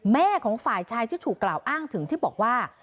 แม่ของฝ่ายชายที่ถูกกล่าวอ้างถึงที่บอกว่า